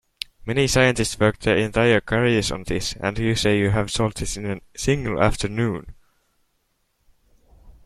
Many scientists work their entire careers on this, and you say you have solved this in a single afternoon?